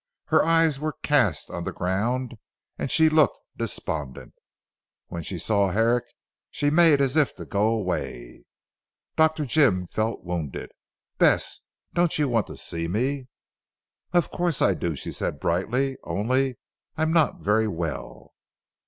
Her eyes were cast on the ground and she looked despondent. When she saw Herrick she made as if to go away. Dr. Jim felt wounded. "Bess! Don't you want to see me." "Of course I do," she said brightly, "only, I'm not very well."